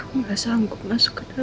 aku gak sanggup masuk ke dalam